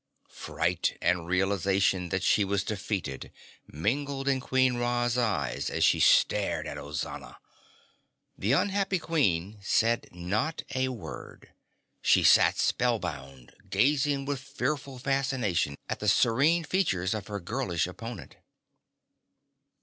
Fright and realization that she was defeated mingled in Queen Ra's eyes as she stared at Ozana. The unhappy Queen said not a word. She sat spellbound, gazing with fearful fascination at the serene features of her girlish opponent.